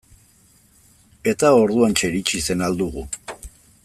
Eta orduantxe iritsi zen Ahal Dugu.